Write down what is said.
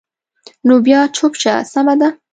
نو بیا چوپ شه، سمه ده.